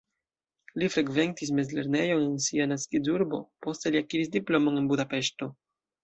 Li frekventis mezlernejon en sia naskiĝurbo, poste li akiris diplomon en Budapeŝto.